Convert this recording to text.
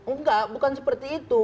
enggak bukan seperti itu